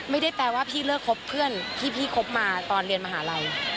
ไม่ได้แปลว่าพี่เลิกคบเพื่อนที่พี่คบมาตอนเรียนมหาลัย